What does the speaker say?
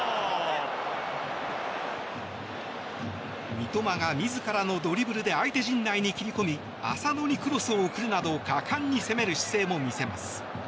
三笘が自らのドリブルで相手陣内に切り込み浅野にクロスを送るなど果敢に攻める姿勢も見せます。